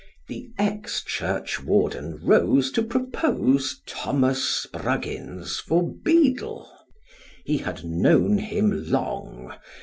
The ex churchwarden rose to propose Thomas Spruggins for beadle. He had known him long.